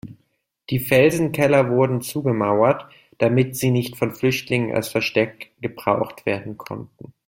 Die Felsenkeller wurden zugemauert, damit sie nicht von Flüchtigen als Versteck gebraucht werden konnten.